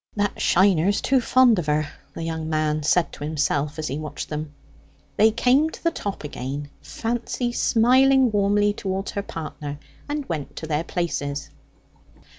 "That Shiner's too fond of her," the young man said to himself as he watched them. They came to the top again, Fancy smiling warmly towards her partner, and went to their places.